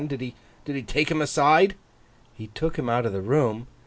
Did he take him aside?' 'He took him out of the room.